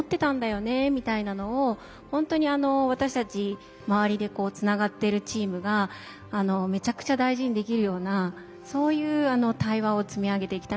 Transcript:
みたいなのを本当に私たち周りでつながっているチームがめちゃくちゃ大事にできるようなそういう対話を積み上げていきたいなと思ってます。